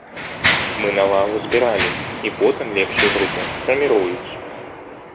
Мы на вагу збіралі, і потым лепшую групу прэміруюць.